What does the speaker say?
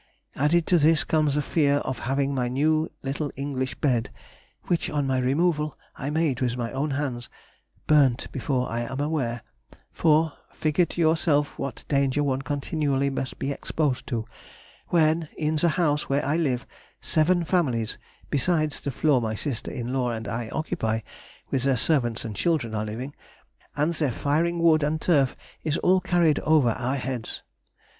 Added to this comes the fear of having my new little English bed (which on my removal I made with my own hands) burnt before I am aware; for, figure to yourself what danger one continually must be exposed to, when, in the house where I live, seven families (besides the floor my sister in law and I occupy) with their servants and children, are living, and their firing wood and turf is all carried over our heads.